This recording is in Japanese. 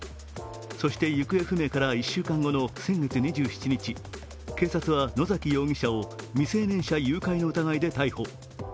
そして行方不明から１週間後の先月２７日、警察は、野崎容疑者を未成年者誘拐の疑いで逮捕。